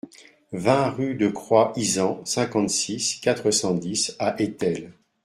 vingt rue de Croix Izan, cinquante-six, quatre cent dix à Étel